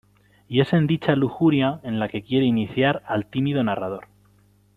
Y es en dicha lujuria en la que quiere iniciar al tímido narrador.